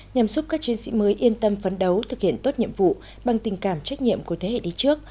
nhằm giúp các chiến sĩ mới yên tâm phấn đấu thực hiện tốt nhiệm vụ bằng tình cảm trách nhiệm của thế hệ đi trước